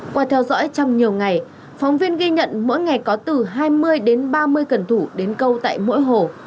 qua theo dõi trong nhiều ngày phóng viên ghi nhận mỗi ngày có từ hai mươi đến ba mươi cẩn thủ đến câu tại mỗi hồ